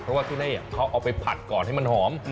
เพราะว่าที่นี่เขาเอาไปผัดก่อนให้มันหอม